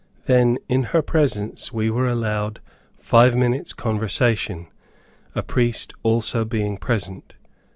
Then, in her presence we were allowed five minutes conversation, a priest also being present.